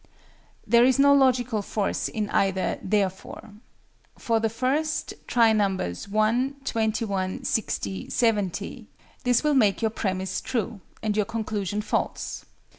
(There is no logical force in either "therefore." For the first, try Nos. 1, 21, 60, 70: this will make your premiss true, and your conclusion false.